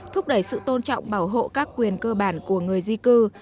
thúc đẩy sự tôn trọng bảo hộ các quyền cơ bản của người di cư